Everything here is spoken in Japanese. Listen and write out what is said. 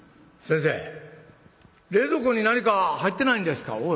「先生冷蔵庫に何か入ってないんですか？」。